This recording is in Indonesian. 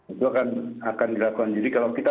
itu akan dilakukan jadi kalau kita